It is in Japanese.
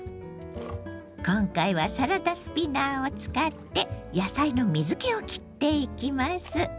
今回はサラダスピナーを使って野菜の水けをきっていきます。